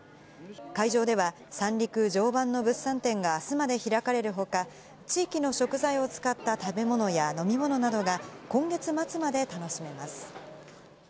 会場では、三陸・常磐の物産展があすまで開かれるほか、地域の食材を使った食べ物や飲み物などが、今月末まで楽しめます。